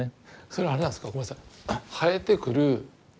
それはあれなんですかごめんなさい生えてくる。